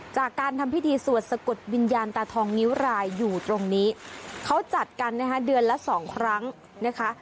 จากการทำพิธีสวดสะกดวิญญาณตาทองนิ้วรายอยู่ตรงนี้เขาจัดกันนะคะเดือนละสองครั้งนะคะ